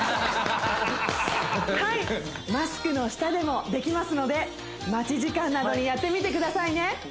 はいマスクの下でもできますので待ち時間などにやってみてくださいね